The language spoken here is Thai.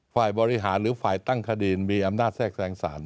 ฝ่ายบริหารหรือฝ่ายตั้งคดีมีอำนาจแทรกแทรงสาร